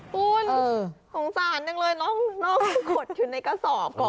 คุณโขงสารนึงเลยน้องโขดอยู่ในกษ